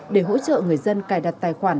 để hỗ trợ người dân cài đặt tài khoản